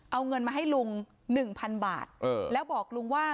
เอาเงินมาให้ลุง๑๐๐๐บาทแล้วบอกลุงว่า